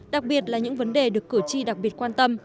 đặc biệt là những vấn đề được cử tri đặc biệt quan tâm